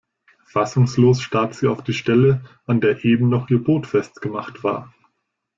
Fassungslos starrt sie auf die Stelle, an der eben noch ihr Boot festgemacht war.